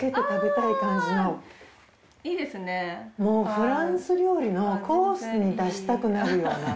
もうフランス料理のコースに出したくなるような。